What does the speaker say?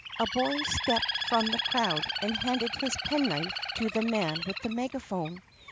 A boy stepped from the crowd and handed his penknife to the man with the megaphone.